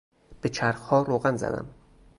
به چرخها روغن زدم.